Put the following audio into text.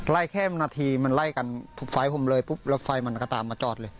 ไล่แค่นาทีมันไล่กันไฟล์ผมเลยปุ๊บแล้วไฟล์มันกระต่ามาจอดเลย